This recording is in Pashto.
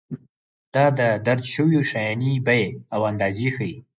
دا د درج شویو شیانو بیې او اندازې ښيي.